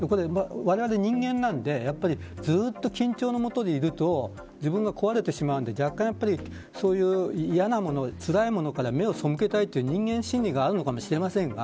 われわれは人間なのでずっと緊張の下にいると自分が壊れてしまうので若干、嫌なもの、つらいものから目を背けたいという人間心理があるのかもしれません。